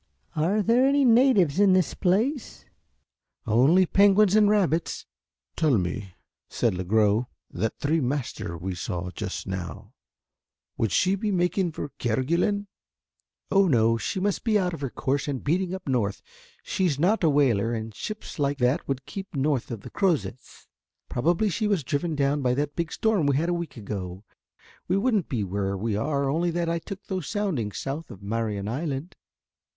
"Are there any natives in this place?" "Only penguins and rabbits." "Tell me," said Lagross, "that three master we saw just now, would she be making for Kerguelen?" "Oh, no, she must be out of her course and beating up north. She's not a whaler, and ships like that would keep north of the Crozets. Probably she was driven down by that big storm we had a week ago. We wouldn't be where we are only that I took those soundings south of Marion Island."